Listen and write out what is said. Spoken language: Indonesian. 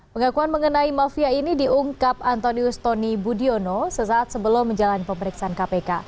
pengakuan mengenai mafia ini diungkap antonius tony budiono sesaat sebelum menjalani pemeriksaan kpk